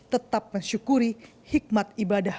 tetap mensyukuri hikmat ibadah